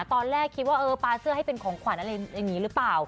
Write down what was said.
ตอนแรกคิดว่าเออปลาเสื้อให้เป็นของขวัญอะไรอย่างนี้หรือเปล่า